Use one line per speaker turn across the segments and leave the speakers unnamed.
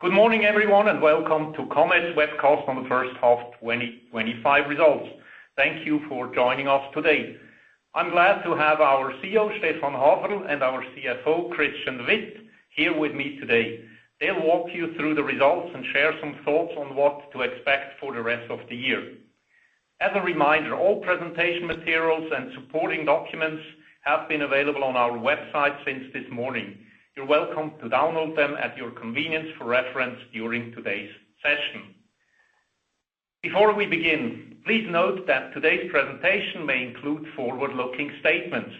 Good morning, everyone, and welcome to Comet's webcast on the first half 2025 results. Thank you for joining us today. I'm glad to have our CEO, Stephan Haferl, and our CFO, Christian Witt, here with me today. They'll walk you through the results and share some thoughts on what to expect for the rest of the year. As a reminder, all presentation materials and supporting documents have been available on our website since this morning. You're welcome to download them at your convenience for reference during today's session. Before we begin, please note that today's presentation may include forward-looking statements.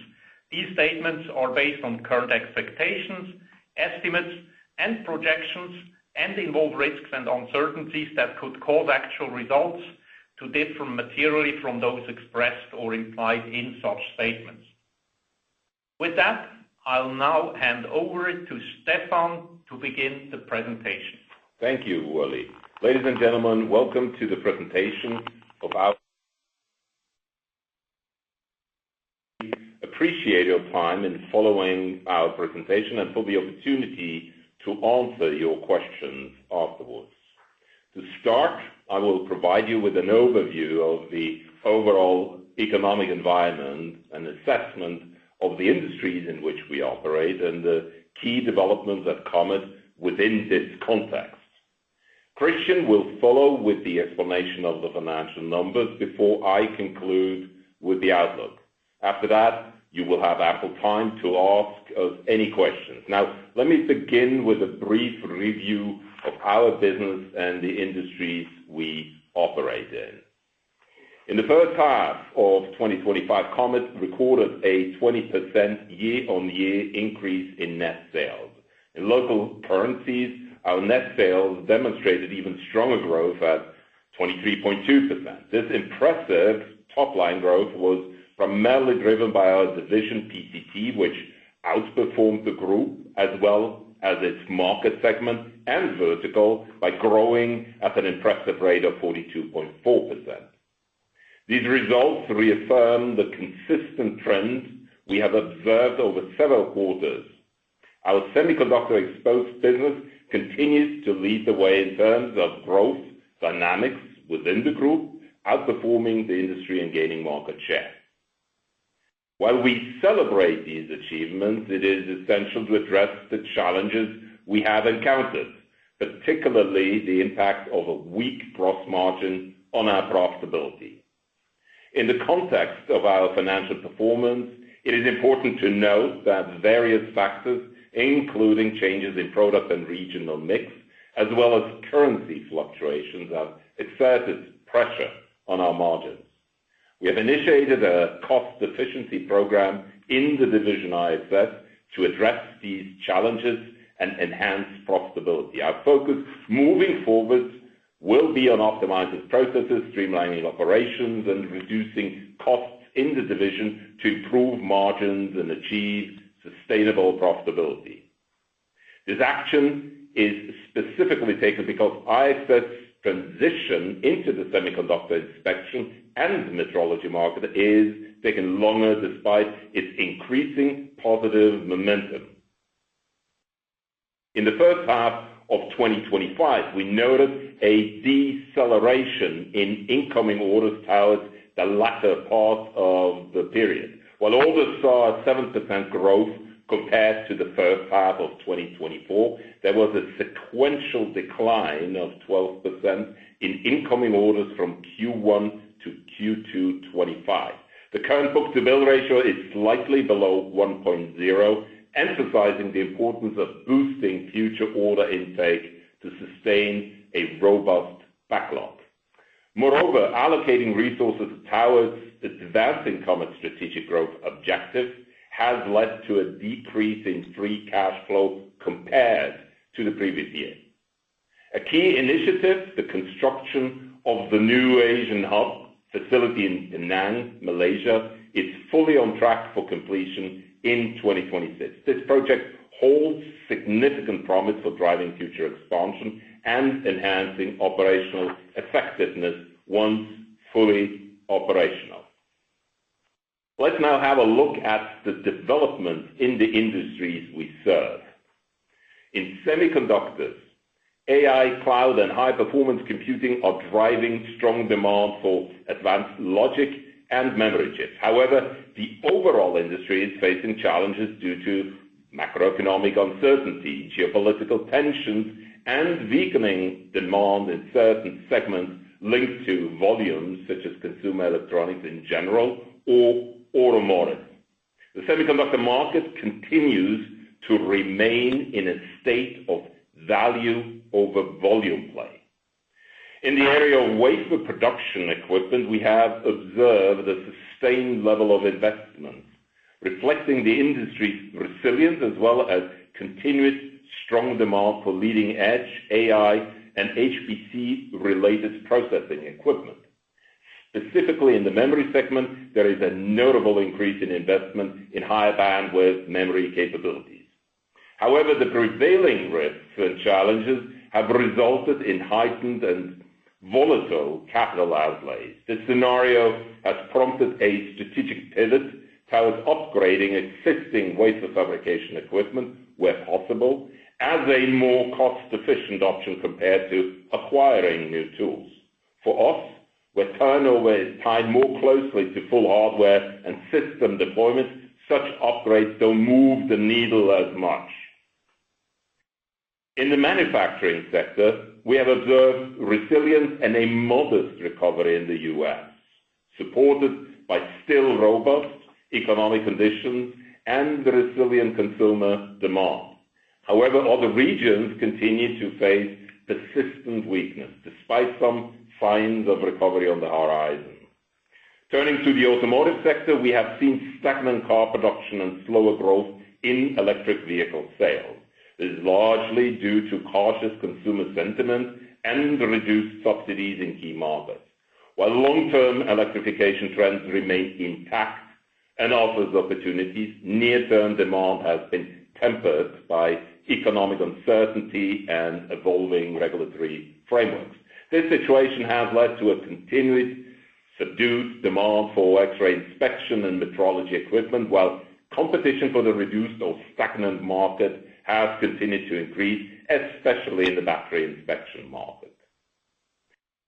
These statements are based on current expectations, estimates, and projections, and involve risks and uncertainties that could cause actual results to differ materially from those expressed or implied in such statements. With that, I'll now hand over to Stephan to begin the presentation.
Thank you, Ueli. Ladies and gentlemen, welcome to the presentation of our... Appreciate your time in following our presentation and for the opportunity to answer your questions afterwards. To start, I will provide you with an overview of the overall economic environment and assessment of the industries in which we operate and the key developments at Comet within this context. Christian will follow with the explanation of the financial numbers before I conclude with the outlook. After that, you will have ample time to ask us any questions. Now, let me begin with a brief review of our business and the industries we operate in. In the first half of 2025, Comet recorded a 20% year-on-year increase in net sales. In local currencies, our net sales demonstrated even stronger growth at 23.2%. This impressive top-line growth was primarily driven by our PCT division, which outperformed the group as well as its market segment and vertical by growing at an impressive rate of 42.4%. These results reaffirm the consistent trend we have observed over several quarters. Our semiconductor exposed business continues to lead the way in terms of growth dynamics within the group, outperforming the industry and gaining market share. While we celebrate these achievements, it is essential to address the challenges we have encountered, particularly the impacts of a weak gross margin on our profitability. In the context of our financial performance, it is important to note that various factors, including changes in product and regional mix, as well as currency fluctuations, have exerted pressure on our margins. We have initiated a cost efficiency program in the IXS division to address these challenges and enhance profitability. Our focus moving forward will be on optimizing processes, streamlining operations, and reducing costs in the division to improve margins and achieve sustainable profitability. This action is specifically taken because IXS's transition into the semiconductor inspection and the metrology market has taken longer despite its increasing positive momentum. In the first half of 2025, we noted a deceleration in incoming orders towards the latter part of the period. While all this saw a 7% growth compared to the first half of 2024, there was a sequential decline of 12% in incoming orders from Q1 to Q2 2025. The current book-to-bill ratio is slightly below 1.0x, emphasizing the importance of boosting future order intake to sustain a robust backlog. Moreover, allocating resources towards advancing Comet's strategic growth objectives has led to a decrease in free cash flow compared to the previous year. A key initiative, the construction of the new Asian Hub facility in Penang, Malaysia, is fully on track for completion in 2026. This project holds significant promise for driving future expansion and enhancing operational effectiveness once fully operational. Let's now have a look at the developments in the industries we serve. In semiconductors, AI, cloud, and high-performance computing are driving strong demand for advanced logic and memory chips. However, the overall industry is facing challenges due to macroeconomic uncertainty, geopolitical tensions, and weakening demand in certain segments linked to volumes such as consumer electronics in general or automotive. The semiconductor market continues to remain in a state of value over volume play. In the area of wafer production equipment, we have observed a sustained level of investment, reflecting the industry's resilience as well as continued strong demand for leading-edge AI and HPC-related processing equipment. Specifically in the memory segment, there is a notable increase in investment in high-bandwidth memory capabilities. However, the prevailing risks and challenges have resulted in heightened and volatile capital outlay. This scenario has prompted a strategic pivot towards upgrading existing wafer fabrication equipment where possible as a more cost-efficient option compared to acquiring new tools. For us, with turnover tied more closely to full hardware and system deployments, such upgrades don't move the needle as much. In the manufacturing sector, we have observed resilience and a modest recovery in the U.S., supported by still robust economic conditions and resilient consumer demand. However, other regions continue to face persistent weakness despite some signs of recovery on the horizon. Turning to the automotive sector, we have seen stagnant car production and slower growth in electric vehicle sales. This is largely due to cautious consumer sentiment and reduced subsidies in key markets. While long-term electrification trends remain intact and offer opportunities, near-term demand has been tempered by economic uncertainty and evolving regulatory frameworks. This situation has led to a continued subdued demand for X-ray inspection and metrology equipment, while competition for the reduced or stagnant market has continued to increase, especially in the battery inspection market.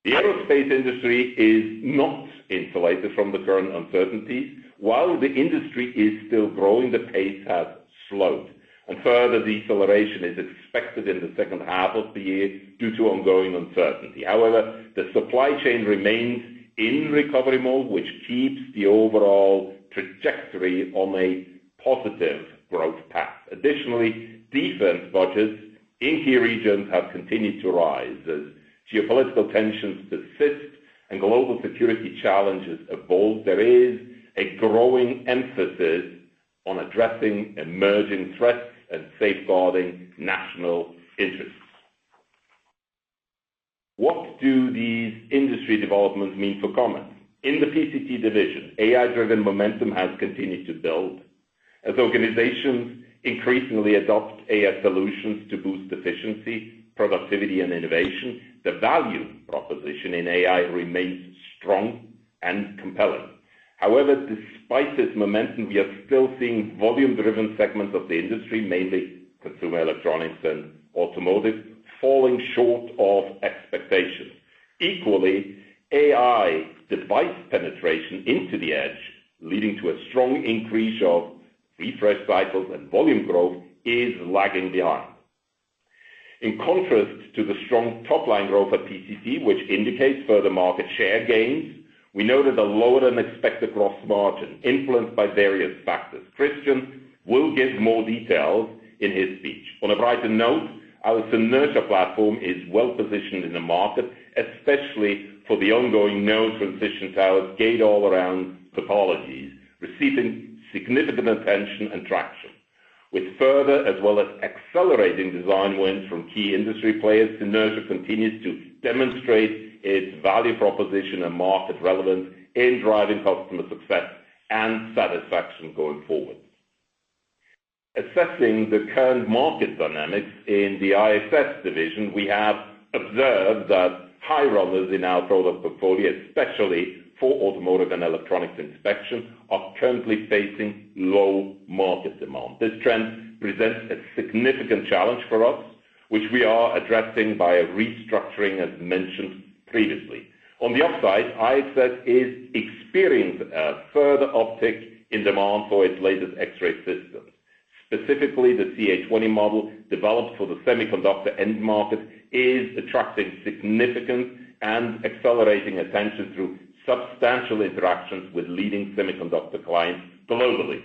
The aerospace industry is not insulated from the current uncertainties. While the industry is still growing, the pace has slowed, and further deceleration is expected in the second half of the year due to ongoing uncertainty. However, the supply chain remains in recovery mode, which keeps the overall trajectory on a positive growth path. Additionally, defense budgets in key regions have continued to rise. As geopolitical tensions persist and global security challenges evolve, there is a growing emphasis on addressing emerging threats and safeguarding national interests. What do these industry developments mean for Comet? In the PCT division, AI-driven momentum has continued to build. As organizations increasingly adopt AI solutions to boost efficiency, productivity, and innovation, the value proposition in AI remains strong and compelling. However, despite this momentum, we are still seeing volume-driven segments of the industry, mainly consumer electronics and automotive, falling short of expectation. Equally, AI device penetration into the edge, leading to a strong increase of refresh cycles and volume growth, is lagging behind. In contrast to the strong top-line growth at PCT, which indicates further market share gains, we noted a lower than expected gross margin influenced by various factors. Christian will give more details in his speech. On a brighter note, our Synertia platform is well positioned in the market, especially for the ongoing node transition towards gate all-around topologies, receiving significant attention and traction. With further, as well as accelerating design wins from key industry players, Synertia continues to demonstrate its value proposition and market relevance in driving customer success and satisfaction going forward. Assessing the current market dynamics in the IXS division, we have observed that high runners in our product portfolio, especially for automotive and electronics inspection, are currently facing low market demand. This trend presents a significant challenge for us, which we are addressing by restructuring, as mentioned previously. On the upside, IXS is experiencing a further uptick in demand for its latest X-ray system. Specifically, the CA20 X-ray system developed for the semiconductor end market is attracting significant and accelerating attention through substantial interactions with leading semiconductor clients globally.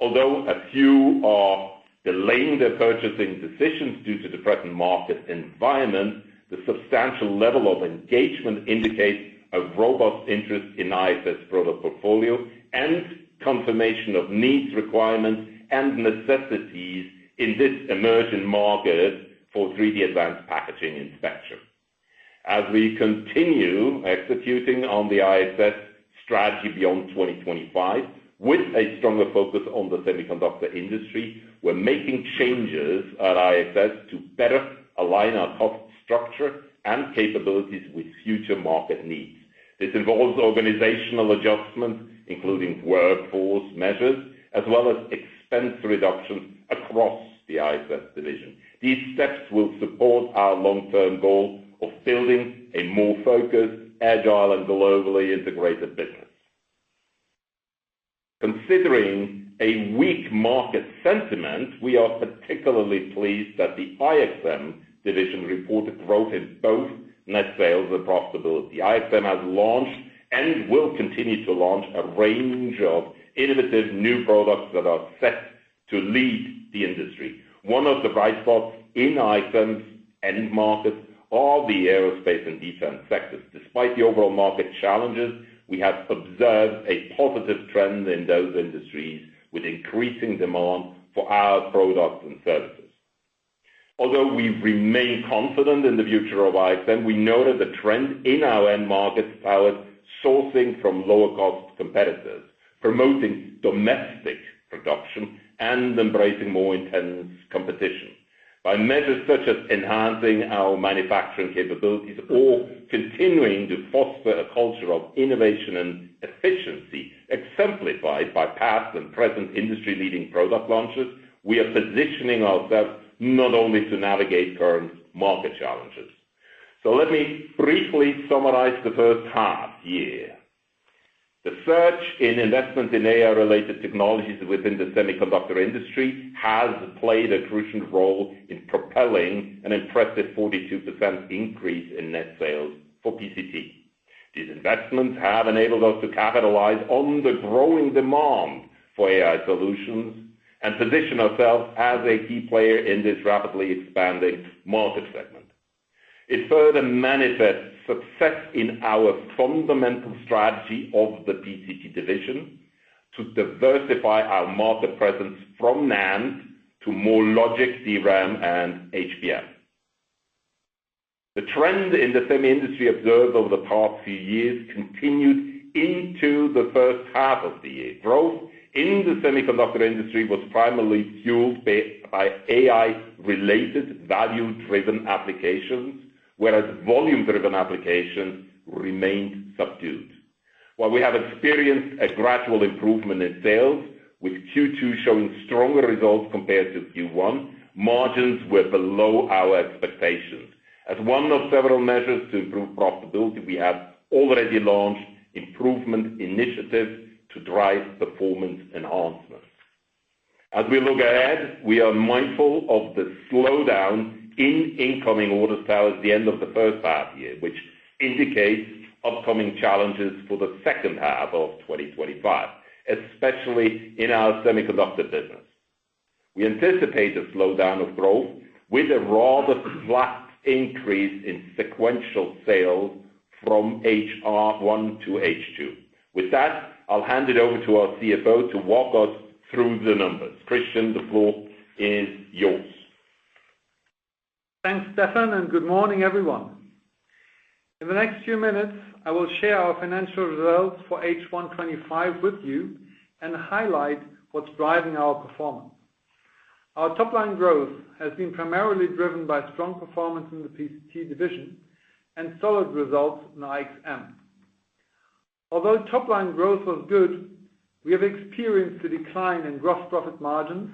Although a few are delaying their purchasing decisions due to the present market environment, the substantial level of engagement indicates a robust interest in IXS product portfolio and confirmation of needs, requirements, and necessities in this emerging market for 3D advanced packaging inspection. As we continue executing on the IXS strategy beyond 2025, with a stronger focus on the semiconductor industry, we're making changes at IXS to better align our cost structure and capabilities with future market needs. This involves organizational adjustments, including workforce measures, as well as expense reductions across the IXS division. These steps will support our long-term goal of building a more focused, agile, and globally integrated business. Considering a weak market sentiment, we are particularly pleased that the IXM division reported growth in both net sales and profitability. IXM has launched and will continue to launch a range of innovative new products that are set to lead the industry. One of the bright spots in IXM's end markets are the aerospace and defense sectors. Despite the overall market challenges, we have observed a positive trend in those industries with increasing demand for our products and services. Although we remain confident in the future of IXM, we know that the trend in our end markets powers sourcing from lower-cost competitors, promoting domestic production, and embracing more intense competition. By measures such as enhancing our manufacturing capabilities or continuing to foster a culture of innovation and efficiency, exemplified by past and present industry-leading product launches, we are positioning ourselves not only to navigate current market challenges. Let me briefly summarize the first half year. The surge in investments in AI-related technologies within the semiconductor industry has played a crucial role in propelling an impressive 42% increase in net sales for PCT. These investments have enabled us to capitalize on the growing demand for AI solutions and position ourselves as a key player in this rapidly expanding market segment. It further manifests success in our fundamental strategy of the PCT division to diversify our market presence from NAND to more logic, DRAM, and high-performance memory applications. The trend in the semiconductor industry observed over the past few years continued into the first half of the year. Growth in the semiconductor industry was primarily fueled by AI-related value-driven applications, whereas volume-driven applications remained subdued. While we have experienced a gradual improvement in sales, with Q2 showing stronger results compared to Q1, margins were below our expectations. As one of several measures to improve profitability, we have already launched improvement initiatives to drive performance enhancements. As we look ahead, we are mindful of the slowdown in incoming orders towards the end of the first half year, which indicates upcoming challenges for the second half of 2025, especially in our semiconductor business. We anticipate a slowdown of growth with a rather flat increase in sequential sales from H1 to H2. With that, I'll hand it over to our CFO to walk us through the numbers. Christian, the floor is yours.
Thanks, Stephan, and good morning, everyone. In the next few minutes, I will share our financial results for H1 2025 with you and highlight what's driving our performance. Our top-line growth has been primarily driven by strong performance in the PCT division and solid results in IXM. Although top-line growth was good, we have experienced a decline in gross profit margins,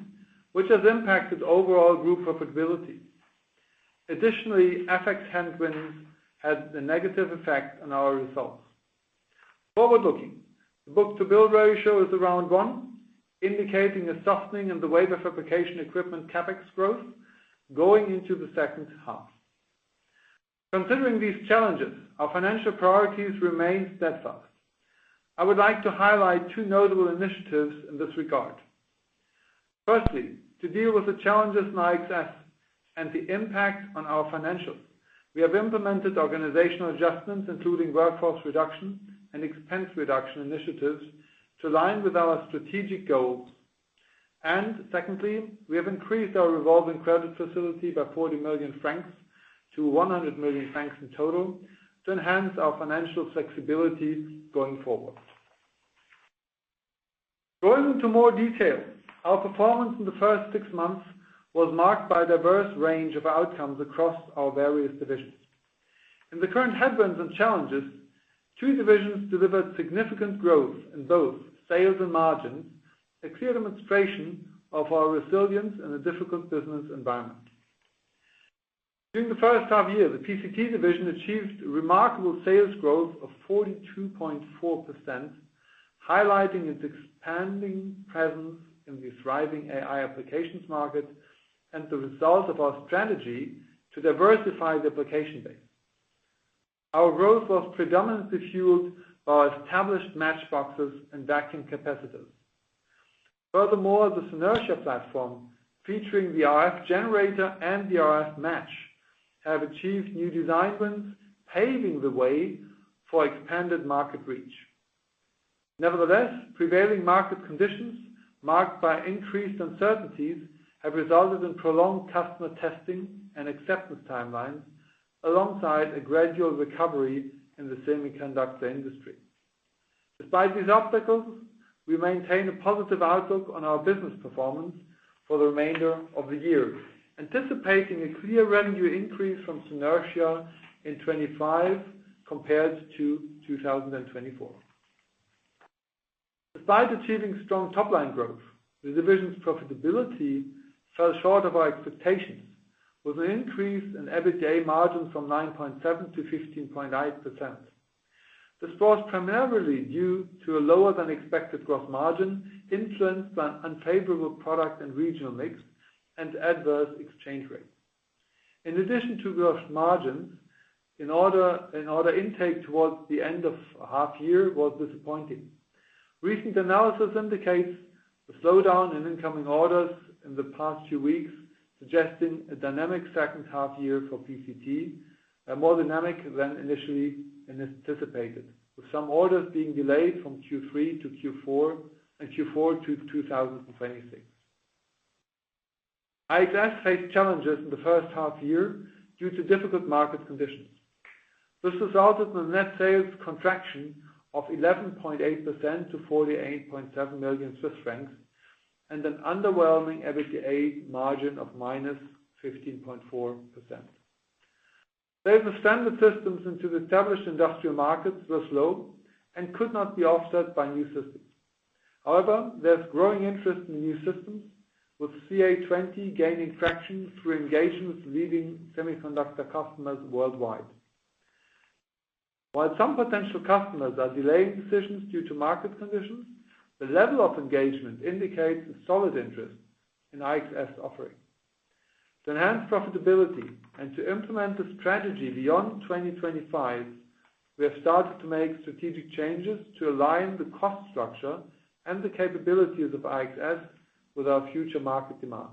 which has impacted overall group profitability. Additionally, FX headwind had a negative effect on our results. Forward-looking, the book-to-bill ratio is around one, indicating a softening in the weight of application equipment CapEx growth going into the second half. Considering these challenges, our financial priorities remain steadfast. I would like to highlight two notable initiatives in this regard. Firstly, to deal with the challenges in IXS and the impact on our financials, we have implemented organizational adjustments, including workforce reduction and expense reduction initiatives to align with our strategic goals. Secondly, we have increased our revolving credit facility by 40 million-100 million francs in total to enhance our financial flexibility going forward. Going into more detail, our performance in the first six months was marked by a diverse range of outcomes across our various divisions. In the current headwinds and challenges, two divisions delivered significant growth in both sales and margins, a clear demonstration of our resilience in a difficult business environment. During the first half year, the PCT division achieved remarkable sales growth of 42.4%, highlighting its expanding presence in the thriving AI applications market and the result of our strategy to diversify the application base. Our growth was predominantly fueled by our established match boxes and vacuum capacitors. Furthermore, the Synertia platform, featuring the RF generator and the RF match, has achieved new design wins, paving the way for expanded market reach. Nevertheless, prevailing market conditions, marked by increased uncertainties, have resulted in prolonged customer testing and acceptance timelines, alongside a gradual recovery in the semiconductor industry. Despite these obstacles, we maintain a positive outlook on our business performance for the remainder of the year, anticipating a clear revenue increase from Synertia in 2025 compared to 2024. Despite achieving strong top-line growth, the division's profitability fell short of our expectations, with an increase in EBITDA margins from 9.7% to 15.8%. This was primarily due to a lower-than-expected gross margin influenced by an unfavorable product and regional mix and adverse exchange rates. In addition to gross margins, order intake towards the end of the half year was disappointing. Recent analysis indicates a slowdown in incoming orders in the past few weeks, suggesting a dynamic second half year for PCT, more dynamic than initially anticipated, with some orders being delayed from Q3 to Q4 and Q4 to 2026. IXS faced challenges in the first half year due to difficult market conditions. This resulted in a net sales contraction of 11.8% to 48.7 million Swiss francs and an underwhelming EBITDA margin of -15.4%. Sales of standard systems into the established industrial markets were slow and could not be offset by new systems. However, there's growing interest in new systems, with CA20 X-ray system gaining traction through engagement with leading semiconductor customers worldwide. While some potential customers are delaying decisions due to market conditions, the level of engagement indicates a solid interest in IXS's offering. To enhance profitability and to implement the strategy beyond 2025, we have started to make strategic changes to align the cost structure and the capabilities of IXS with our future market demand.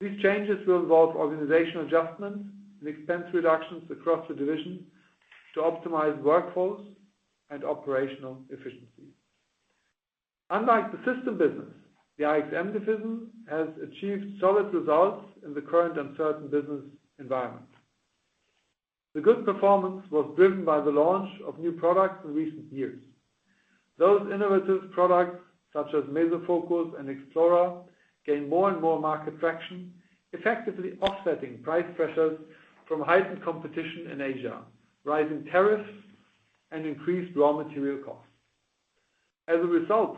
These changes will involve organizational adjustments and expense reductions across the division to optimize workforce and operational efficiency. Unlike the system business, the IXM division has achieved solid results in the current uncertain business environment. The good performance was driven by the launch of new products in recent years. Those innovative products, such as Mesofocus and Explorer, gain more and more market traction, effectively offsetting price pressures from heightened competition in Asia, rising tariffs, and increased raw material costs. As a result,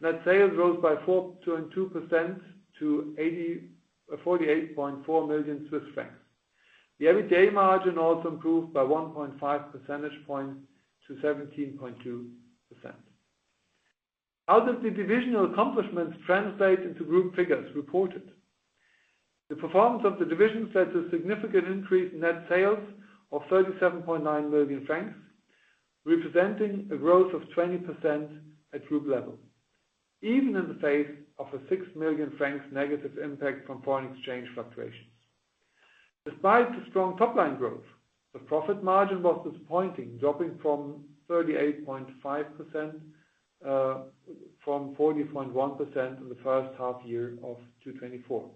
net sales rose by 4.2% to 48.4 million Swiss francs. The EBITDA margin also improved by 1.5 percentage points to 17.2%. How do the divisional accomplishments translate into group figures reported? The performance of the division led to a significant increase in net sales of 37.9 million francs, representing a growth of 20% at group level, even in the face of a 6 million francs negative impact from foreign exchange fluctuations. Despite the strong top-line growth, the profit margin was disappointing, dropping from 38.5% to 40.1% in the first half year of 2024,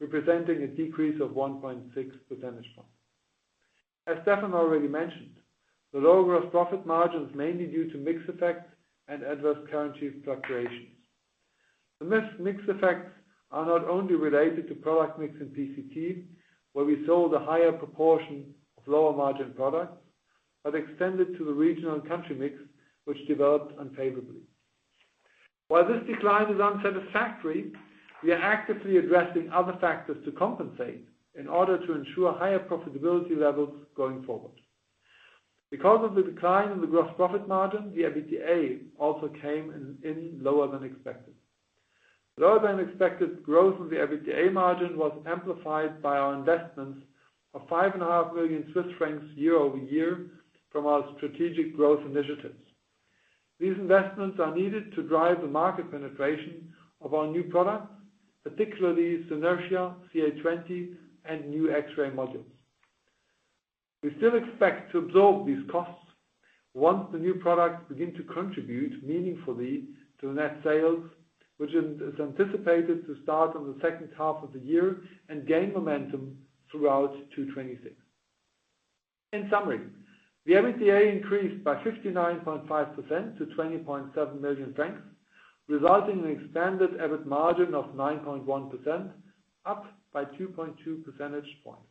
representing a decrease of 1.6 percentage points. As Stephan already mentioned, the lower gross margin is mainly due to mix effects and adverse currency fluctuations. The mix effects are not only related to product mix in PCT, where we sold a higher proportion of lower margin products, but extended to the regional and country mix, which developed unfavorably. While this decline is unsatisfactory, we are actively addressing other factors to compensate in order to ensure higher profitability levels going forward. Because of the decline in the gross margin, the EBITDA also came in lower than expected. Lower than expected growth in the EBITDA margin was amplified by our investments of 5.5 million Swiss francs year-over-year from our strategic growth initiatives. These investments are needed to drive the market penetration of our new products, particularly Synertia, CA20 X-ray system, and new X-ray modules. We still expect to absorb these costs once the new products begin to contribute meaningfully to net sales, which is anticipated to start in the second half of the year and gain momentum throughout Q2 2026. In summary, the EBITDA increased by 59.5% to 20.7 million francs, resulting in an expanded EBITDA margin of 9.1%, up by 2.2 percentage points.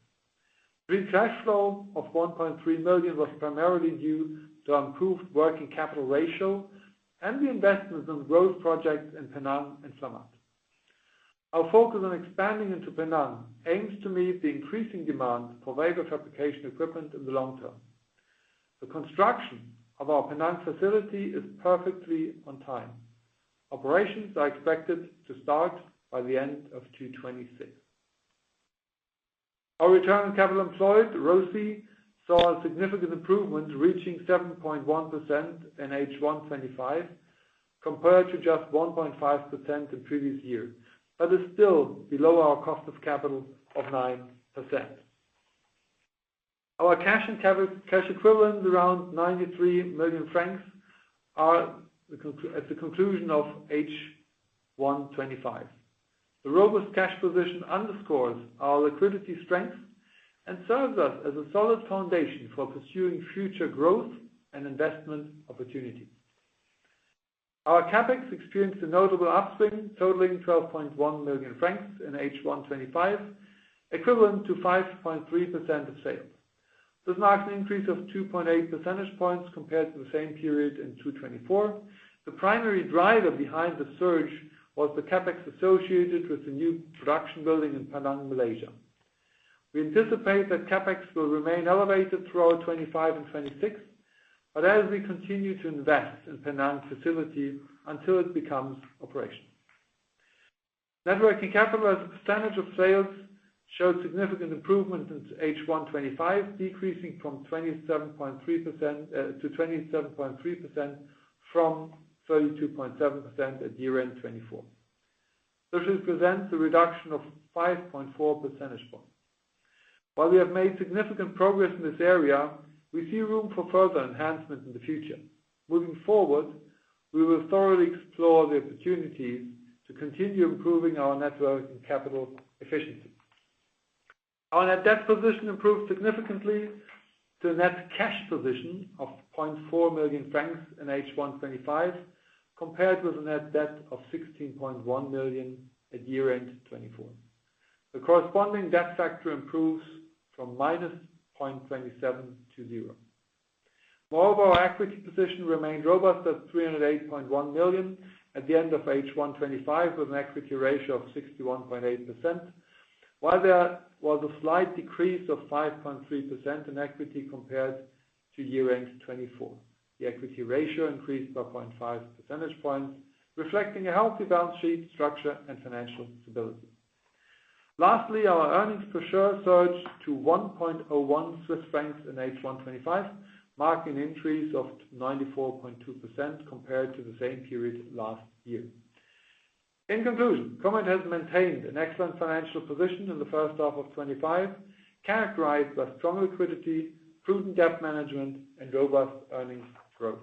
The cash flow of 1.3 million was primarily due to an improved working capital ratio and the investments in the growth project in Penang and Sumat. Our focus on expanding into Penang aims to meet the increasing demand for weight of application equipment in the long term. The construction of our Penang facility is perfectly on time. Operations are expected to start by the end of Q2 2026. Our return on capital employed, ROSI, saw a significant improvement, reaching 7.1% in H1 2025, compared to just 1.5% in the previous year, but is still below our cost of capital of 9%. Our cash and cash equivalents, around 93 million francs, are at the conclusion of H1 2025. A robust cash position underscores our liquidity strength and serves us as a solid foundation for pursuing future growth and investment opportunities. Our CapEx experienced a notable upswing, totaling 12.1 million francs in H1 2025, equivalent to 5.3% of sales. This marked an increase of 2.8 percentage points compared to the same period in Q2 2024. The primary driver behind the surge was the CapEx associated with the new production building in Penang, Malaysia. We anticipate that CapEx will remain elevated throughout Q2 2025 and Q2 2026, as we continue to invest in the Penang facility until it becomes operational. Net working capital as a percentage of sales showed significant improvement in H1 2025, decreasing to 27.3% from 32.7% at year-end 2024. This represents a reduction of 5.4 percentage points. While we have made significant progress in this area, we see room for further enhancement in the future. Moving forward, we will thoroughly explore the opportunity to continue improving our net working capital efficiency. Our net debt position improved significantly to a net cash position of 0.4 million francs in H1 2025, compared with a net debt of 16.1 million at year-end 2024. The corresponding debt factor improved from -0.27 to zero. Moreover, our equity position remained robust at 308.1 million at the end of H1 2025, with an equity ratio of 61.8%, while there was a slight decrease of 5.3% in equity compared to year-end 2024. The equity ratio increased by 0.5 percentage points, reflecting a healthy balance sheet structure and financial stability. Lastly, our earnings per share surged to 1.01 Swiss francs in H1 2025, marking an increase of 94.2% compared to the same period last year. In conclusion, Comet Holding AG has maintained an excellent financial position in the first half of 2025, characterized by strong liquidity, prudent debt management, and robust earnings growth.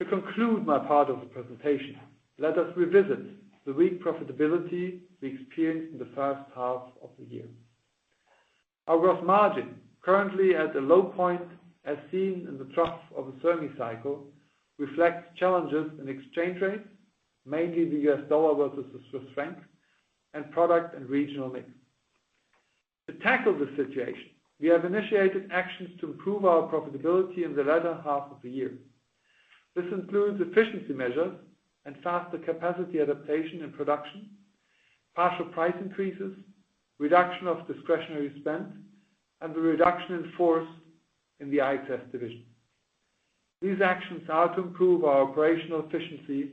To conclude my part of the presentation, let us revisit the weak profitability we experienced in the first half of the year. Our gross margin, currently at a low point, as seen in the trough of the semi-cycle, reflects challenges in exchange rates, mainly the U.S. dollar versus the Swiss franc, and product and regional mix. To tackle this situation, we have initiated actions to improve our profitability in the latter half of the year. This includes efficiency measures and faster capacity adaptation in production, partial price increases, reduction of discretionary spend, and the reduction in force in the IXS division. These actions are to improve our operational efficiency,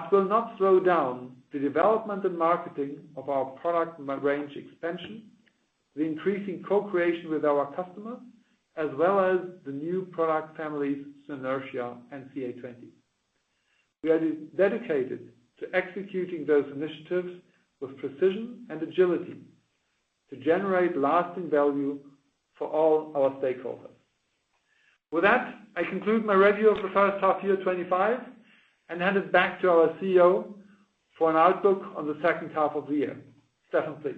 but will not slow down the development and marketing of our product range expansion, the increasing co-creation with our customers, as well as the new product families, Synertia platform and CA20 X-ray system. We are dedicated to executing those initiatives with precision and agility to generate lasting value for all our stakeholders. With that, I conclude my review of the first half year 2025 and hand it back to our CEO for an outlook on the second half of the year. Stephan, please.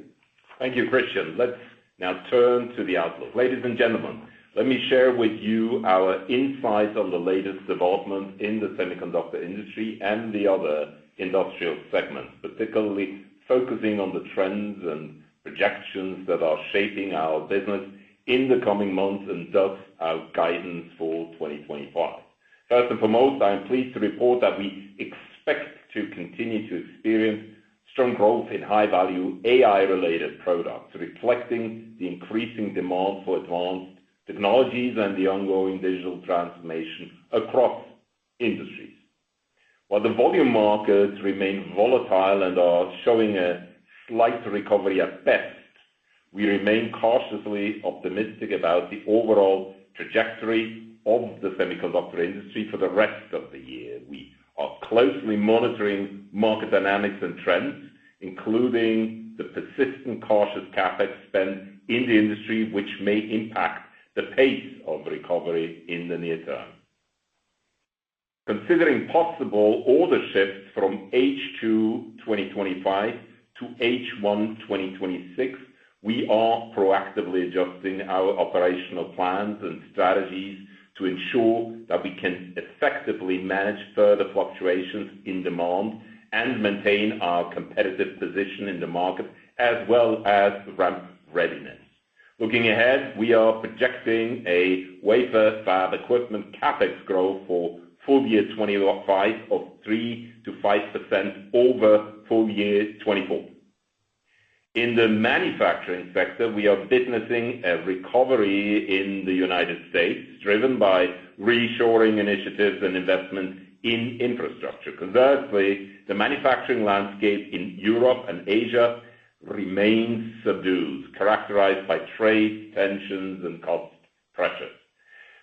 Thank you, Christian. Let's now turn to the outlook. Ladies and gentlemen, let me share with you our insights on the latest developments in the semiconductor industry and the other industrial segments, particularly focusing on the trends and projections that are shaping our business in the coming months and thus our guidance for 2025. First and foremost, I am pleased to report that we expect to continue to experience strong growth in high-value AI-related products, reflecting the increasing demand for advanced technologies and the ongoing digital transformation across industries. While the volume markets remain volatile and are showing a slight recovery at best, we remain cautiously optimistic about the overall trajectory of the semiconductor industry for the rest of the year. We are closely monitoring market dynamics and trends, including the persistent cautious CapEx spend in the industry, which may impact the pace of recovery in the near term. Considering possible order shifts from H2 2025 to H1 2026, we are proactively adjusting our operational plans and strategies to ensure that we can effectively manage further fluctuations in demand and maintain our competitive position in the market, as well as ramp readiness. Looking ahead, we are projecting a wafer fab equipment CapEx growth for full year 2025 of 3%-5% over full year 2024. In the manufacturing sector, we are witnessing a recovery in the United States, driven by reshoring initiatives and investment in infrastructure. Conversely, the manufacturing landscape in Europe and Asia remains subdued, characterized by trade tensions and cost pressures.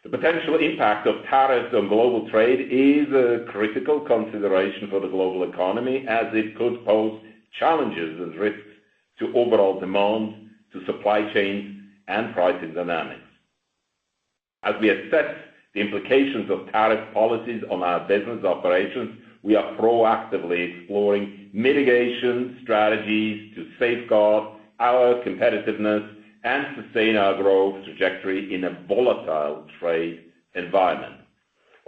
The potential impact of tariffs on global trade is a critical consideration for the global economy, as it could pose challenges and risks to overall demand, to supply chains, and pricing dynamics. As we assess the implications of tariff policies on our business operations, we are proactively exploring mitigation strategies to safeguard our competitiveness and sustain our growth trajectory in a volatile trade environment.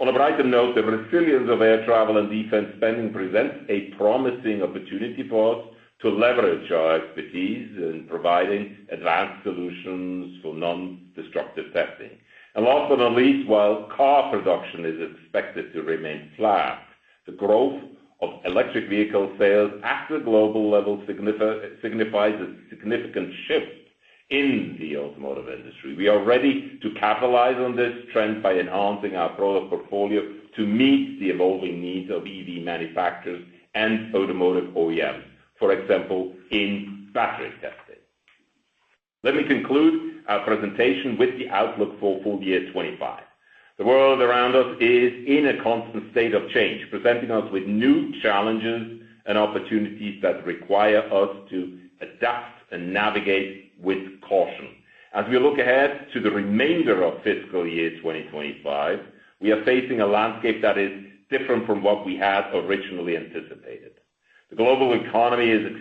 On a brighter note, the resilience of air travel and defense spending presents a promising opportunity for us to leverage our expertise in providing advanced solutions for non-destructive testing. Last but not least, while car production is expected to remain flat, the growth of electric vehicle sales at the global level signifies a significant shift in the automotive industry. We are ready to capitalize on this trend by enhancing our product portfolio to meet the evolving needs of EV manufacturers and automotive OEMs, for example, in battery testing. Let me conclude our presentation with the outlook for full year 2025. The world around us is in a constant state of change, presenting us with new challenges and opportunities that require us to adapt and navigate with caution. As we look ahead to the remainder of fiscal year 2025, we are facing a landscape that is different from what we had originally anticipated. The global economy is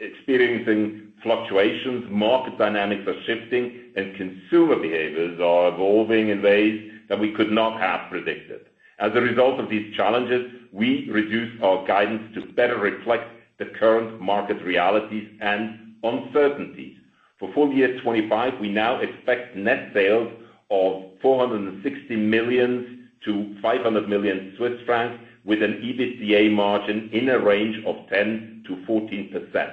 experiencing fluctuations, market dynamics are shifting, and consumer behaviors are evolving in ways that we could not have predicted. As a result of these challenges, we reduce our guidance to better reflect the current market realities and uncertainties. For full year 2025, we now expect net sales of 460 million-500 million Swiss francs, with an EBITDA margin in a range of 10%-14%.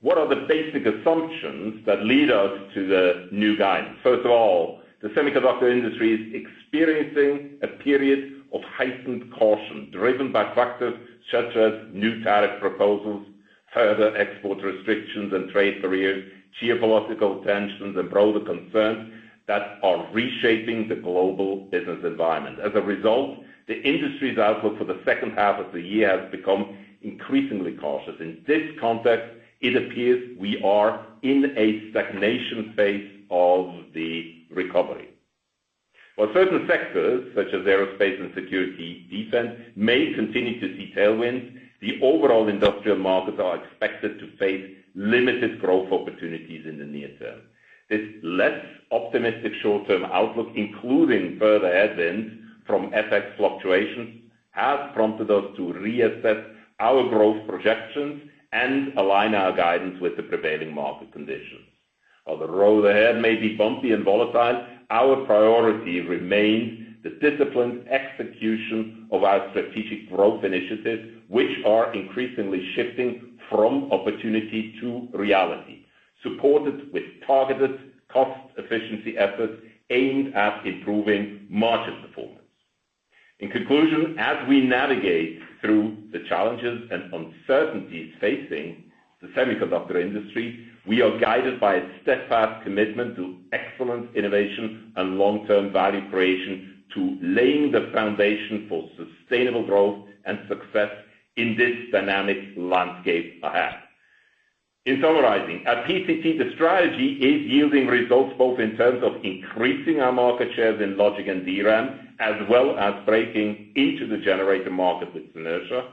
What are the basic assumptions that lead us to the new guidance? First of all, the semiconductor industry is experiencing a period of heightened caution, driven by factors such as new tariff proposals, further export restrictions and trade barriers, geopolitical tensions, and broader concerns that are reshaping the global business environment. As a result, the industry's outlook for the second half of the year has become increasingly cautious. In this context, it appears we are in a stagnation phase of the recovery. While certain sectors, such as aerospace and security defense, may continue to see tailwinds, the overall industrial markets are expected to face limited growth opportunities in the near term. This less optimistic short-term outlook, including further headwinds from FX volatility, has prompted us to reassess our growth projections and align our guidance with the prevailing market conditions. While the road ahead may be bumpy and volatile, our priority remains the disciplined execution of our strategic growth initiatives, which are increasingly shifting from opportunity to reality, supported with targeted cost efficiency efforts aimed at improving margin performance. In conclusion, as we navigate through the challenges and uncertainties facing the semiconductor industry, we are guided by its steadfast commitment to excellent innovation and long-term value creation, to laying the foundation for sustainable growth and success in this dynamic landscape ahead. In summarizing, our PCT strategy is yielding results both in terms of increasing our market shares in logic and DRAM, as well as breaking into the generator market with Synertia.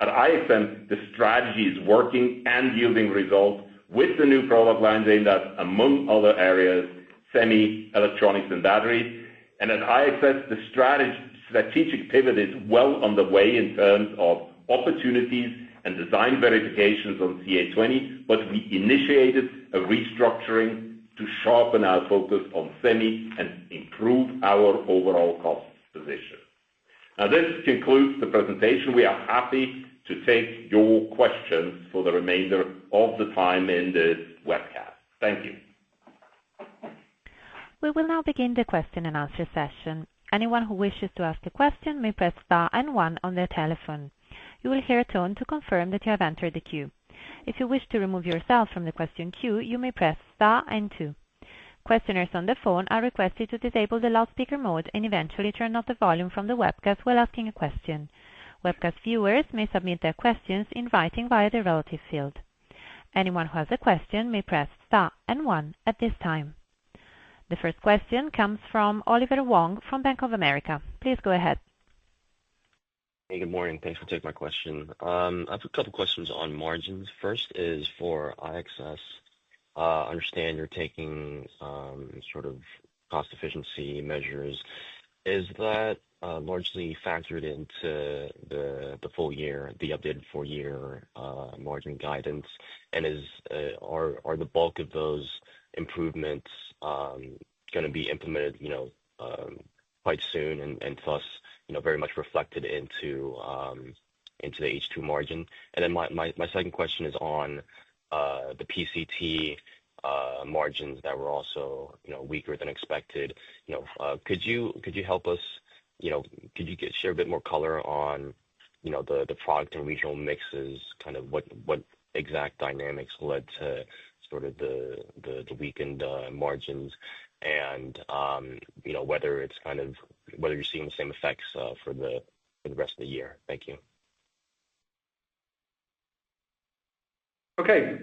At IXM, the strategy is working and yielding results with the new product lines in that, among other areas, semi, electronics, and batteries. At IXS, the strategic pivot is well on the way in terms of opportunities and design verifications on CA20, but we initiated a restructuring to sharpen our focus on semi and improve our overall cost position. This concludes the presentation. We are happy to take your questions for the remainder of the time in the webcast. Thank you.
We will now begin the question-and-answer session. Anyone who wishes to ask a question may press star and one on their telephone. You will hear a tone to confirm that you have entered the queue. If you wish to remove yourself from the question queue, you may press star and two. Questioners on the phone are requested to disable the loudspeaker mode and eventually turn up the volume from the webcast while asking a question. Webcast viewers may submit their questions in writing via the relative field. Anyone who has a question may press star and one at this time. The first question comes from Oliver Wong from Bank of America. Please go ahead.
Hey, good morning. Thanks for taking my question. I have a couple of questions on margins. First is for IXS. I understand you're taking sort of cost efficiency measures. Is that largely factored into the full year, the updated full year margin guidance? Are the bulk of those improvements going to be implemented quite soon and thus very much reflected into the H2 margin? My second question is on the PCT margins that were also weaker than expected. Could you help us, could you share a bit more color on the product and regional mixes, kind of what exact dynamics led to the weakened margins and whether you're seeing the same effects for the rest of the year? Thank you.
Okay.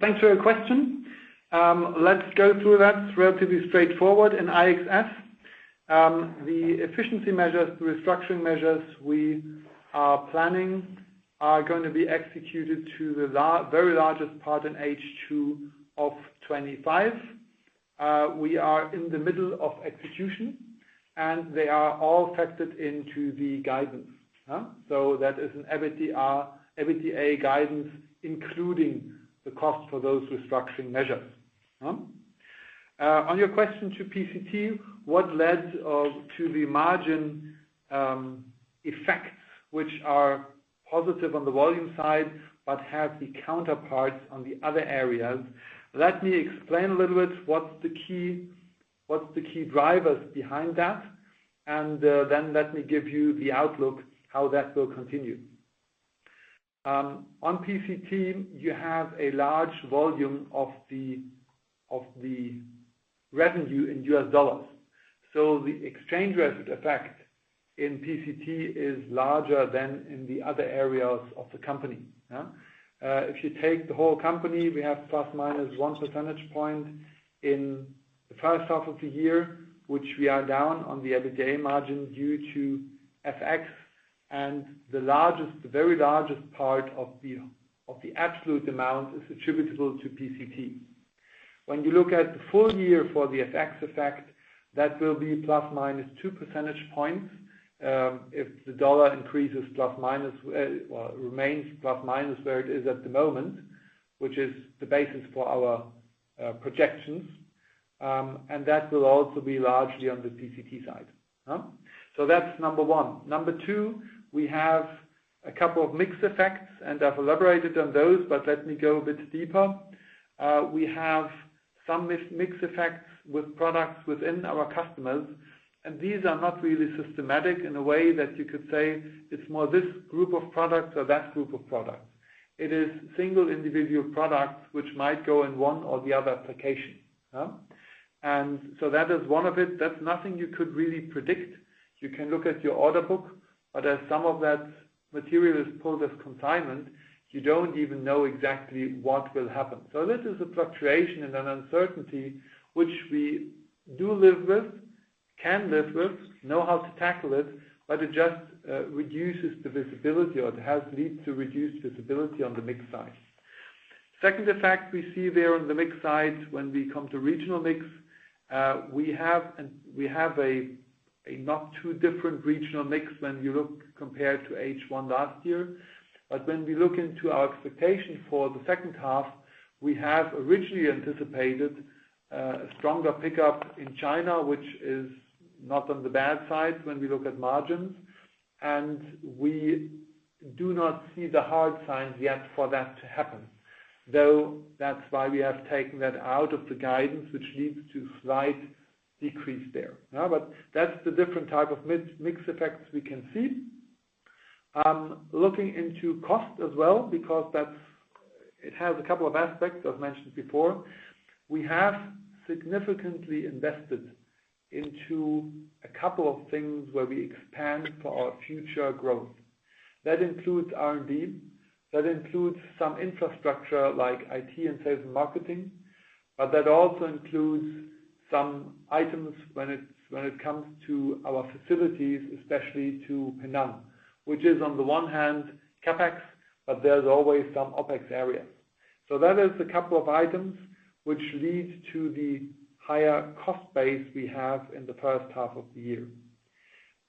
Thanks for your question. Let's go through that. It's relatively straightforward in IXS. The efficiency measures, the restructuring measures we are planning are going to be executed to the very largest part in H2 of 2025. We are in the middle of execution, and they are all factored into the guidance. That is an EBITDA guidance, including the cost for those restructuring measures. On your question to PCT, what led to the margin effects, which are positive on the volume side, but have the counterparts on the other areas? Let me explain a little bit what's the key drivers behind that, and then let me give you the outlook how that will continue. On PCT, you have a large volume of the revenue in U.S. dollars. The exchange rate effect in PCT is larger than in the other areas of the company. If you take the whole company, we have ±1% in the first half of the year, which we are down on the EBITDA margin due to FX, and the very largest part of the absolute amount is attributable to PCT. When you look at the full year for the FX effect, that will be ±2% if the dollar increases plus minus or remains plus minus where it is at the moment, which is the basis for our projections. That will also be largely on the PCT side. That's number one. Number two, we have a couple of mixed effects, and I've elaborated on those, but let me go a bit deeper. We have some mixed effects with products within our customers, and these are not really systematic in a way that you could say it's more this group of products or that group of products. It is a single individual product which might go in one or the other application. That is one of it. That's nothing you could really predict. You can look at your order book, but as some of that material is pulled as consignment, you don't even know exactly what will happen. This is a fluctuation and an uncertainty which we do live with, can live with, know how to tackle it, but it just reduces the visibility or it has leads to reduced visibility on the mix side. Second effect we see there on the mix side when we come to regional mix, we have a not too different regional mix when you look compared to H1 last year. When we look into our expectation for the second half, we have originally anticipated a stronger pickup in China, which is not on the bad side when we look at margins. We do not see the hard signs yet for that to happen, which is why we have taken that out of the guidance, which leads to a slight decrease there. That is the different type of mixed effects we can see. Looking into cost as well, because it has a couple of aspects I've mentioned before, we have significantly invested into a couple of things where we expand for our future growth. That includes R&D, that includes some infrastructure like IT and sales and marketing, but that also includes some items when it comes to our facilities, especially to Penang, which is on the one hand CapEx, but there's always some OpEx area. That is a couple of items which lead to the higher cost base we have in the first half of the year.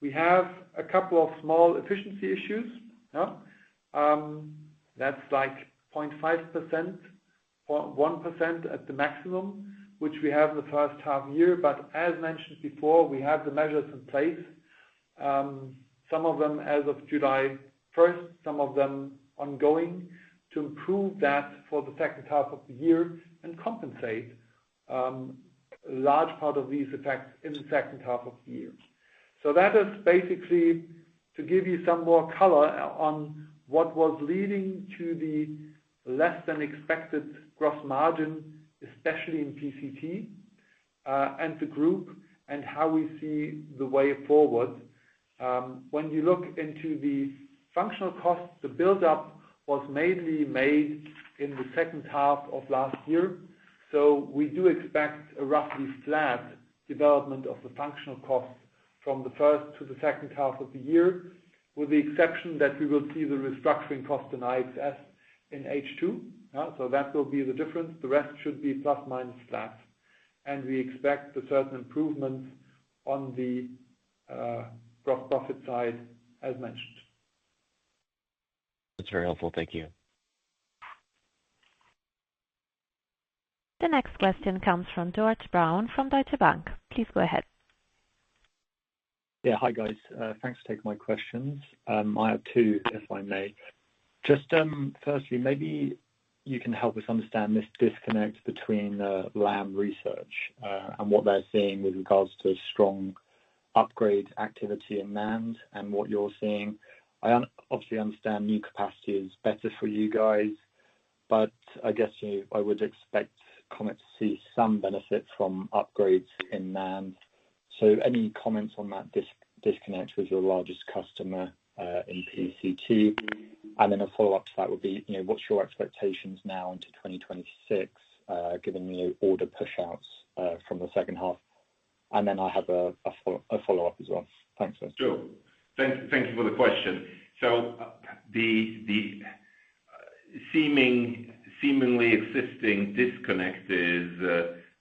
We have a couple of small efficiency issues. That's like 0.5%, 0.1% at the maximum, which we have in the first half year. As mentioned before, we have the measures in place, some of them as of July 1st, some of them ongoing, to improve that for the second half of the year and compensate a large part of these effects in the second half of the year. That is basically to give you some more color on what was leading to the less than expected gross margin, especially in PCT and the group, and how we see the way forward. When you look into the functional costs, the buildup was mainly made in the second half of last year. We do expect a roughly flat development of the functional costs from the first to the second half of the year, with the exception that we will see the restructuring costs in IXS in H2. That will be the difference. The rest should be plus minus flat, and we expect certain improvements on the gross profit side, as mentioned.
That's very helpful. Thank you.
The next question comes from George Brown from Deutsche Bank. Please go ahead.
Yeah, hi guys. Thanks for taking my questions. I have two, if I may. Firstly, maybe you can help us understand this disconnect between Lam Research and what they're seeing with regards to strong upgrade activity in NAND and what you're seeing. I obviously understand new capacity is better for you guys, but I guess I would expect Comet to see some benefits from upgrades in NAND. Any comments on that disconnect with your largest customer in PCT? A follow-up to that would be, you know, what's your expectations now into 2026, given you order push-outs from the second half? I have a follow-up as well. Thanks, guys.
Thank you for the question. The seemingly existing disconnect is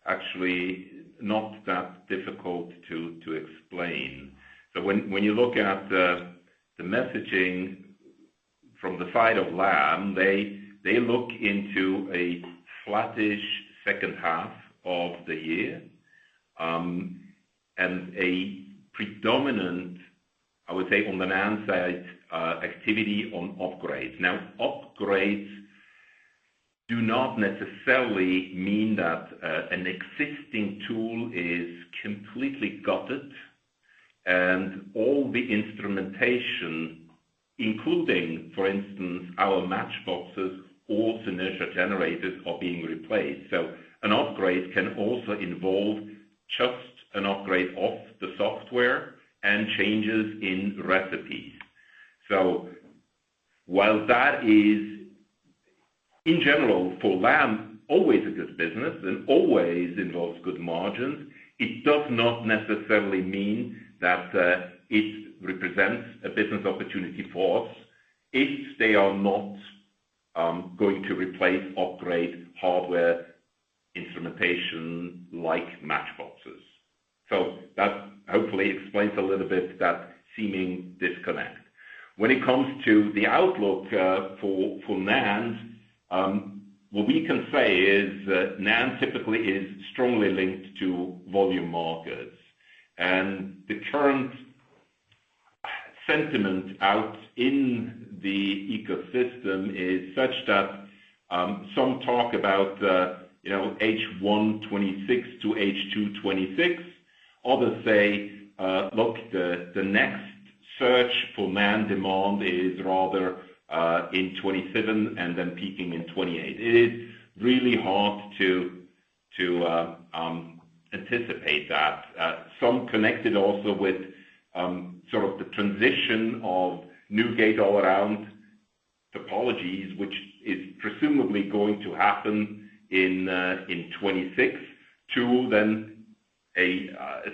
actually not that difficult to explain. When you look at the messaging from the side of Lam, they look into a flattish second half of the year and a predominant, I would say, on the NAND side, activity on upgrades. Upgrades do not necessarily mean that an existing tool is completely gutted and all the instrumentation, including, for instance, our match boxes or Synertia generators, are being replaced. An upgrade can also involve just an upgrade of the software and changes in recipe. While that is, in general, for Lam, always a good business and always involves good margins, it does not necessarily mean that it represents a business opportunity for us if they are not going to replace upgrade hardware instrumentation like match boxes. That hopefully explains a little bit that seeming disconnect. When it comes to the outlook for NAND, what we can say is that NAND typically is strongly linked to volume markets. The current sentiment out in the ecosystem is such that some talk about H1 2026 to H2 2026. Others say the next surge for NAND demand is rather in 2027 and then peaking in 2028. It is really hard to anticipate that. Some connect it also with sort of the transition of new gate all-around topologies, which is presumably going to happen in 2026, to then a